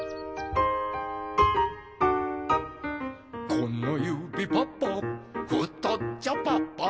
「このゆびパパふとっちょパパ」